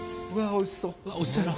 おいしそう。